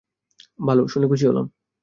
ভালো, শুনে খুশি হলাম।